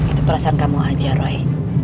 itu perasaan kamu aja rai